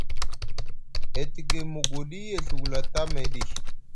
E tiki muguɗu, e Ɵi wulaɗi tamayɗi.